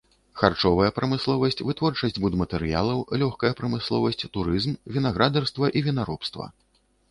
Харчовая прамысловасць, вытворчасць будматэрыялаў, лёгкая прамысловасць, турызм, вінаградарства і вінаробства.